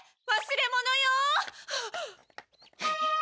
忘れ物よー！